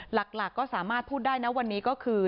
หลักก็สามารถพูดได้นะวันนี้ก็คือ